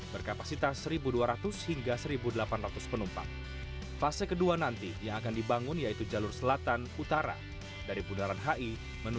pernah kita disusun kira kira tarifnya akan dikenakan kira kira delapan rupiah